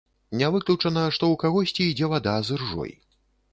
Не выключана, што ў кагосьці ідзе вада з іржой.